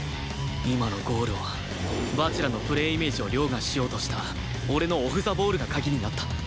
今のゴールは蜂楽のプレーイメージを凌駕しようとした俺のオフ・ザ・ボールが鍵になった